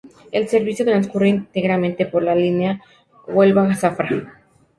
El servicio transcurre íntegramente por la línea Huelva-Zafra.